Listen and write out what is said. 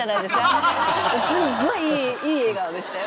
すっごいいい笑顔でしたよ。